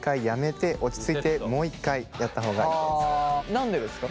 何でですか？